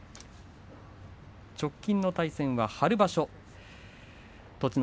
直近の対戦は春場所栃ノ